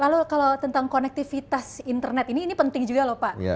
lalu kalau tentang konektivitas internet ini penting juga lho pak